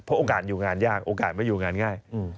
โอกาสอยู่งานยากโอกาสไม่อยู่งานง่าย